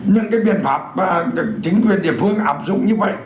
những cái biện pháp chính quyền địa phương áp dụng như vậy